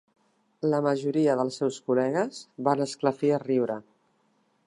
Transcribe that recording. La majoria dels seus col·legues van esclafir a riure.